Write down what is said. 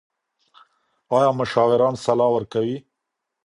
ایا مشاوران سلا ورکوي؟